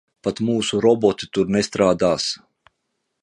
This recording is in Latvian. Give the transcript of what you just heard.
Pat mūsu roboti tur nestrādās.